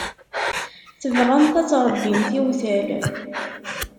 Tebɣamt ad tṛebbimt iwtal.